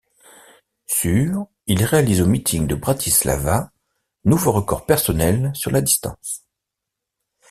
Sur il réalise au meeting de Bratislava, nouveau record personnel sur la distance.